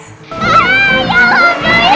ya allah ya ya